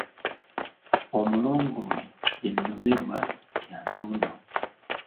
Omulongo we ye Nnomerwa, lya ntondo.